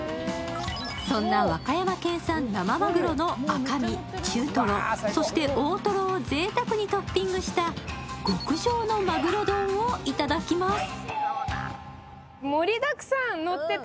そんな和歌山県産生まぐろの赤身中とろ、そして大とろをぜいたくにトッピングした極上のまぐろ丼をいただきます。